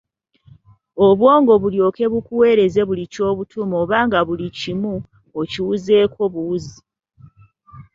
Obwongo bulyoke bukuweereze buli ky’obutuma oba nga buli kimu okiwuzeeko buwuzi .